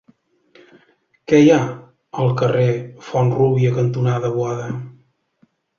Què hi ha al carrer Font-rúbia cantonada Boada?